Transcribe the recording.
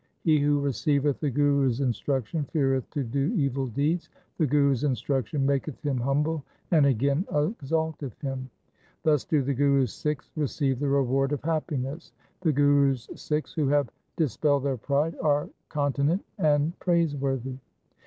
1 He who receiveth the Guru's instruction feareth to do evil deeds. The Guru's instruction maketh him humble and again exalteth him. Thus do the Guru's Sikhs receive the reward of happiness. 2 The Guru's Sikhs who have dispelled their pride are continent and praiseworthy.